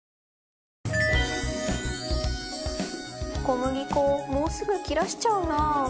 小麦粉もうすぐ切らしちゃうな